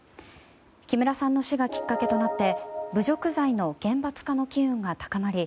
木村さんの死がきっかけとなって侮辱罪の厳罰化の機運が高まり